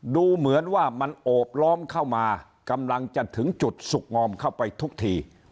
ดูเหมือนว่ามันโอบล้อมเข้ามากำลังจะถึงจุดสุขงอมเข้าไปทุกที